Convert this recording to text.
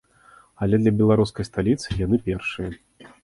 Але для беларускай сталіцы яны першыя.